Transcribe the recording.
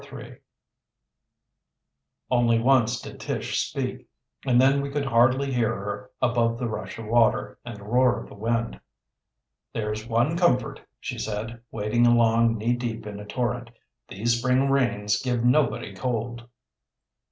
III Only once did Tish speak, and then we could hardly hear her above the rush of water and the roar of the wind. "There's one comfort," she said, wading along knee deep in a torrent. "These spring rains give nobody cold."